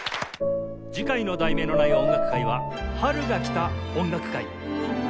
次回の『題名のない音楽会』は「春が来た音楽会」